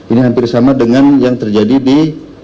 ini hampir sama dengan yang terjadi di